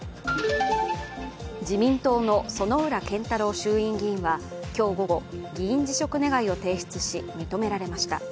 自民党の薗浦健太郎衆院議員は今日午後、議員辞職願を提出し、認められました。